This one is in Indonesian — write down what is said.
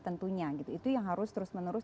tentunya gitu itu yang harus terus menerus